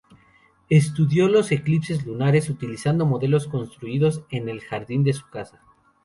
Estudió los eclipses lunares, utilizando modelos construidos en el jardín de su casa.